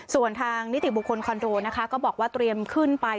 ส่วนทางนิติบุคคลคอนโดนะคะก็บอกว่าเตรียมขึ้นไป